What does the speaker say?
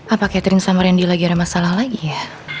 apa catering sama randy lagi ada masalah lagi ya